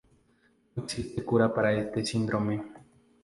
No existe cura para este síndrome.